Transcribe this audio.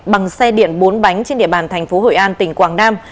bằng xe điện bốn bánh trên địa bàn thành phố hội an tỉnh quảng nam